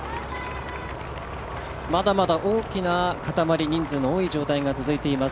まだまだ大きな塊、人数の多い状態が続いています。